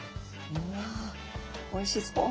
うわおいしそう。